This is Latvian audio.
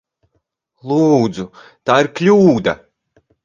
Lūdzu! Tā ir kļūda!